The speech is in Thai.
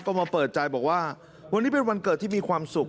ก็มาเปิดใจบอกว่าวันนี้เป็นวันเกิดที่มีความสุข